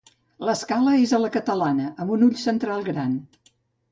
L'escala és a la catalana, amb un ull central gran.